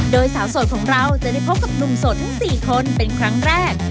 โดยสาวโสดของเราจะได้พบกับหนุ่มโสดทั้ง๔คนเป็นครั้งแรก